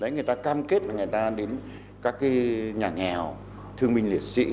người ta cam kết là người ta đến các nhà nghèo thương minh liệt sĩ